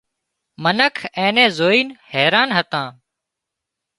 منک اين نين زوئينَ حيران هتان